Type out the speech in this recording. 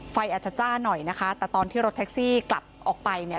ไฟอาจจะจ้าหน่อยนะคะแต่ตอนที่รถแท็กซี่กลับออกไปเนี่ย